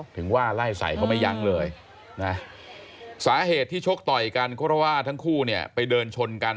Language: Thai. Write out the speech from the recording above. ถึงว่าไล่ใส่เขาไม่ยั้งเลยนะสาเหตุที่ชกต่อยกันก็เพราะว่าทั้งคู่เนี่ยไปเดินชนกัน